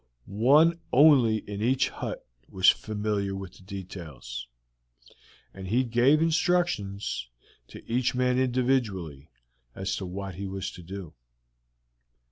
One only in each hut was familiar with the details, and he gave instructions to each man individually as to what he was to do.